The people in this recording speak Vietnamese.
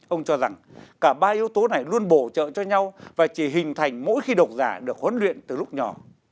ông cho rằng cả ba yếu tố này luôn bổ trợ cho nhau và chỉ hình thành mỗi khi độc giả được huấn luyện từ lúc nhỏ